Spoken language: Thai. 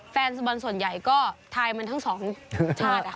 แฟนฟุตบอลส่วนใหญ่ก็ทายมันทั้งสองชาติ